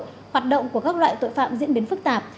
hoạt động của các loại tội phạm diễn biến phức tạp